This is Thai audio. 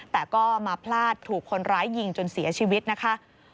แต่ก็มาพลาดถูกคนร้ายยิงจนเสียชีวิตนะคะ